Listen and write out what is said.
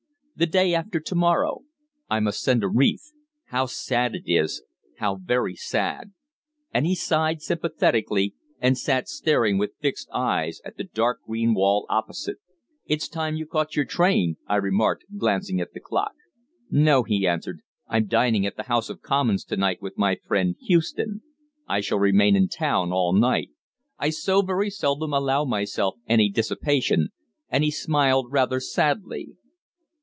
"The day after to morrow." "I must send a wreath. How sad it is! How very sad!" And he sighed sympathetically, and sat staring with fixed eyes at the dark green wall opposite. "It's time you caught your train," I remarked, glancing at the clock. "No," he answered. "I'm dining at the House of Commons to night with my friend Houston. I shall remain in town all night. I so very seldom allow myself any dissipation," and he smiled rather sadly.